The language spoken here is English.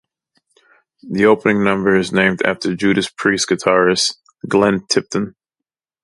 The opening number is named after Judas Priest guitarist, Glenn Tipton.